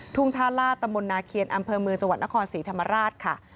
ทุ่งท่าราชตมนาเขียนอ้ำเภอมือจนครสีธรรมราช